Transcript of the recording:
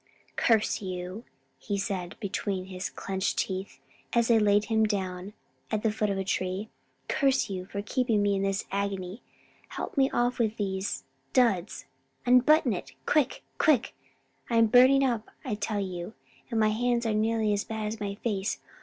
"Curse you!" he said between his clenched teeth, as they laid him down at the foot of a tree, "curse you! for keeping me in this agony. Help me off with these duds. Unbutton it, quick! quick! I'm burning up, I tell you; and my hands are nearly as bad as my face.